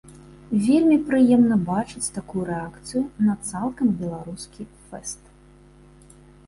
Вельмі прыемна бачыць такую рэакцыю на цалкам беларускі фэст.